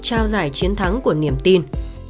trao giải chiến thắng của niềm tin